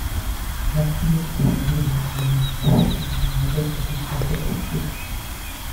Maximus provided his name, profession and identity as a Christian.